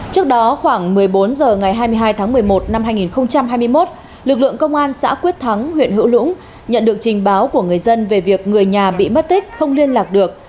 trước đó khoảng một mươi bốn h ngày hai mươi hai tháng một mươi một năm hai nghìn hai mươi một lực lượng công an xã quyết thắng huyện hữu lũng nhận được trình báo của người dân về việc người nhà bị mất tích không liên lạc được